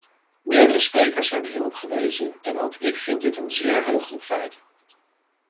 Meerdere sprekers hebben hierop gewezen en ook ik vind dit een zeer heuglijk feit.